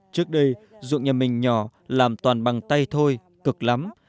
trước đây ruộng nhà mình nhỏ làm toàn bằng tay thôi cực lắm